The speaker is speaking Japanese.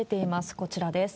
こちらです。